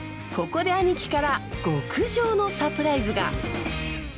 ここで兄貴から極上のサプライズが！